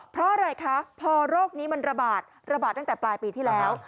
เพราะอะไรคะพอโรคนี้มันระบาดระบาดตั้งแต่ปลายปีที่แล้ว